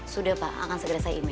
sudah pak akan segera saya ini